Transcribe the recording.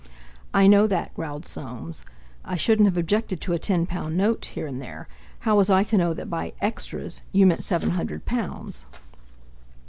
"I know that," growled Soames: "I shouldn't have objected to a ten pound note here and there. How was I to know that by 'extras' you meant seven hundred pounds?"